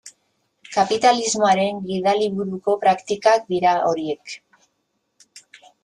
Kapitalismoaren gidaliburuko praktikak dira horiek.